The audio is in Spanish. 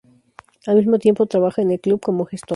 Al mismo tiempo trabaja en el club como gestor.